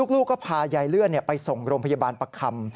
ลูกก็พายายเลื่อนไปส่งโรงพยาบาลประคำ